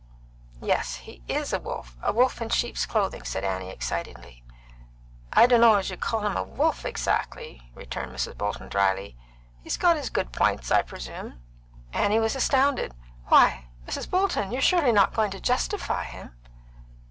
"Yes. He is a wolf! A wolf in sheep's clothing," said Annie excitedly. "I d'know as you can call him a wolf, exactly," returned Mrs. Bolton dryly. "He's got his good points, I presume." Annie was astounded. "Why, Mrs. Bolton, you're surely not going to justify him?"